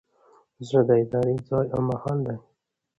زړه د ارادې ځای او محل دﺉ.